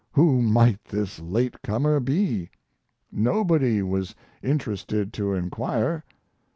Who might this late comer be? Nobody was interested to inquire.